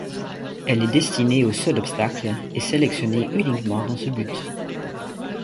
Elle est destinée au saut d'obstacles, et sélectionnée uniquement dans ce but.